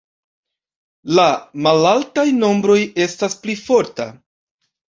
La malaltaj nombroj estas pli forta.